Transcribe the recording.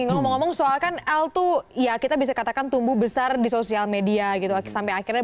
ngomong ngomong soal kan l tuh ya kita bisa katakan tumbuh besar di sosial media gitu sampai akhirnya